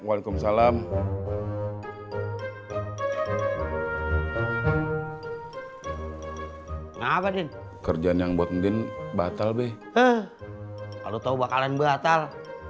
waalaikumsalam ngapain kerjaan yang buat mending batal b kalau tahu bakalan batal